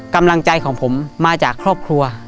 กำลังใจของผมมาจากครอบครัว